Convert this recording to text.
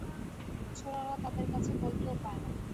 ছোঁড়ারা তাদের কাছে কলকেও পায় না।